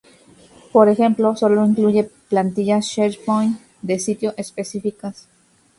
Por ejemplo, sólo incluye plantillas SharePoint de sitio específicas.